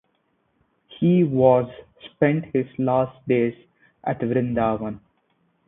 He was spent his last days at Vrindavan.